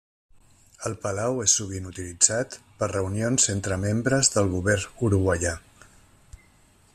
El palau és sovint utilitzat per a reunions entre membres del govern uruguaià.